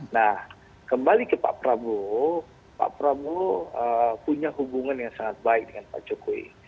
nah kembali ke pak prabowo pak prabowo punya hubungan yang sangat baik dengan pak jokowi